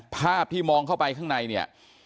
ภาพที่มองเข้าไปข้างในเนี่ย